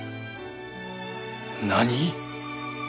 何？